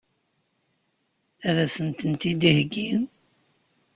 Ad sent-tent-id-iheggi?